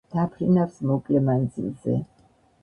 დაფრინავს მოკლე მანძილზე.